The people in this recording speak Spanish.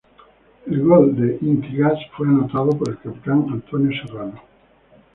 El gol de Inti Gas fue anotado por el capitán Antonio Serrano.